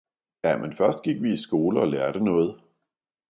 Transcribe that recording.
'Ja, men først gik vi i skole og lærte noget!